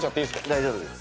大丈夫です。